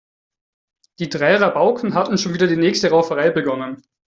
Die drei Rabauken hatten schon wieder die nächste Rauferei begonnen.